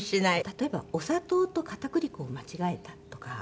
例えばお砂糖と片栗粉を間違えたとか。